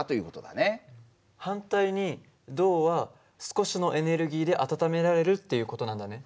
反対に銅は少しのエネルギーで温められるっていう事なんだね。